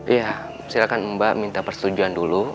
ya silahkan mbak minta persetujuan dulu